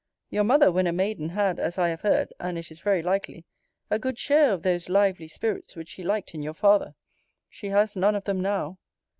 Your mother, when a maiden, had, as I have heard (and it is very likely) a good share of those lively spirits which she liked in your father. She has none of them now.